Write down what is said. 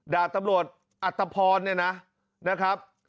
ด่าตำรวจอัตภพรนะครับ